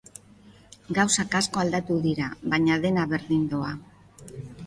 Gauza asko aldatu dira, baina dena berdin doa.